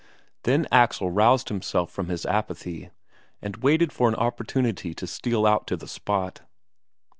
Then Axel roused himself from his apathy, and waited for an opportunity to steal out to the spot.